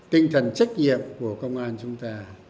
tinh thần trách nhiệm của công an chúng ta